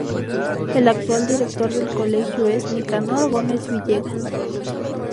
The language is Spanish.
El actual director del colegio es Nicanor Gómez Villegas.